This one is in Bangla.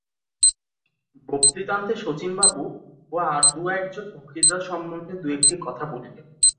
বক্তৃতান্তে শচীনবাবু ও আর দু-একজন বক্তৃতার সম্বন্ধে দু-একটি কথা বলিলেন।